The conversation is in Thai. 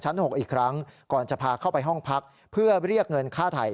๖อีกครั้งก่อนจะพาเข้าไปห้องพักเพื่อเรียกเงินค่าถ่าย